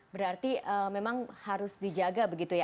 berarti memang harus dijaga begitu ya